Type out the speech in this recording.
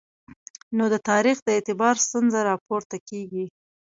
نو د تاریخ د اعتبار ستونزه راپورته کېږي.